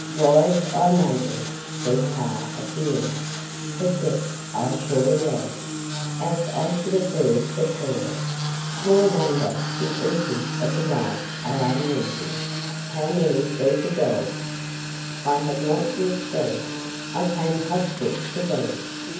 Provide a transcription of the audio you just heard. "Wise I may be," said Kaa at the end; "but deaf I surely am. Else I should have heard the pheeal. Small wonder the Eaters of Grass are uneasy. How many be the dhole?" "I have not yet seen. I came hot foot to thee.